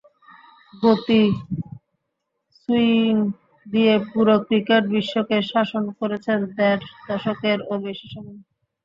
গতি, সুইং দিয়ে পুরো ক্রিকেট-বিশ্বকে শাসন করেছেন দেড় দশকেরও বেশি সময়।